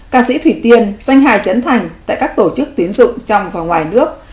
ca sĩ thủy tiên danh hài chấn thành tại các tổ chức tiến dụng trong và ngoài nước